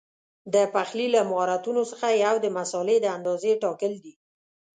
د پخلي له مهارتونو څخه یو د مسالې د اندازې ټاکل دي.